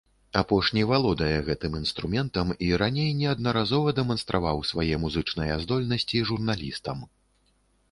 Апошні валодае гэтым інструментам, і раней неаднаразова дэманстраваў свае музычныя здольнасці журналістам.